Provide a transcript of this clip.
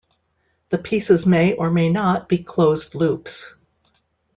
The pieces may or may not be closed loops.